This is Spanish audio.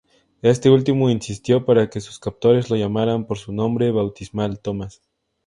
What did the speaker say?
Este último insistió para que sus captores lo llamaran por su nombre bautismal, Tomás.